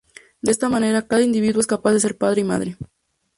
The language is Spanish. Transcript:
De esta manera, cada individuo es capaz de ser padre y madre.